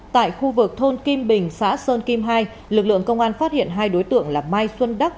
tại khu vực thôn kim bình xã sơn kim hai lực lượng công an phát hiện hai đối tượng là mai xuân đắc